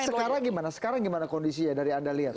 sekarang gimana sekarang gimana kondisinya dari anda lihat